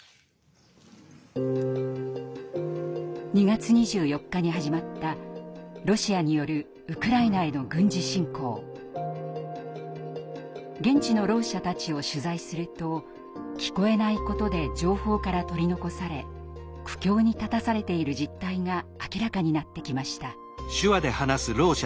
２月２４日に始まったロシアによる現地のろう者たちを取材すると聞こえないことで情報から取り残され苦境に立たされている実態が明らかになってきました。